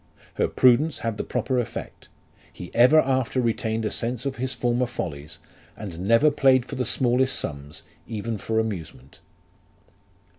Her prudence had the proper effect ; he ever after retained a sense of his former follies, and never played for the smallest sums, even for amusement.